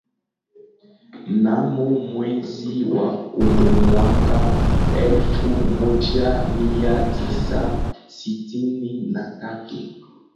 Mnamo mwezi wa kumi mwaka elfu moja mia tisa sitini na tatu